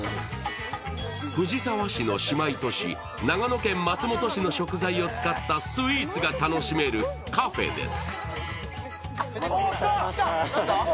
藤沢市の姉妹都市、長野県の松本市の食材を使ったスイーツが楽しめるカフェです。